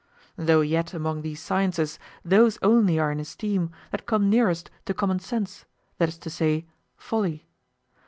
Though yet among these sciences those only are in esteem that come nearest to common sense, that is to say, folly.